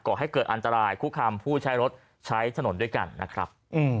ให้เกิดอันตรายคุกคามผู้ใช้รถใช้ถนนด้วยกันนะครับ